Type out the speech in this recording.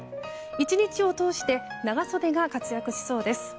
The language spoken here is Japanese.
１日を通して長袖が活躍しそうです。